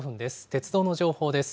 鉄道の情報です。